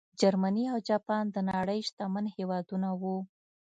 جرمني او جاپان د نړۍ شتمن هېوادونه وو.